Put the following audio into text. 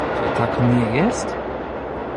"Czy tak nie jest?"